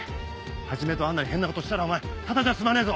始とアンナに変なことしたらお前ただじゃ済まねえぞ！